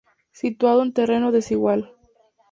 Situado en terreno desigual.